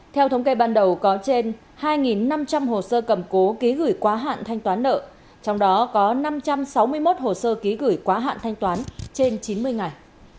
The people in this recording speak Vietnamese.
theo thống kê ban đầu có trên hai năm trăm linh hồ sơ cầm cố ký gửi quá hạn thanh toán nợ trong đó có năm trăm sáu mươi một hồ sơ ký gửi quá hạn thanh toán trên chín mươi ngày